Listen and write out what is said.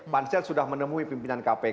pansel sudah menemui pimpinan kpk